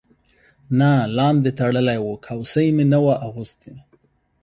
نه لاندې تړلی و، کوسۍ مې نه وه اغوستې.